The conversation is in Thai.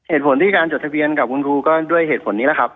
เหตุผลที่การจดทะเบียนกับคุณครูก็ด้วยเหตุผลนี้แหละครับ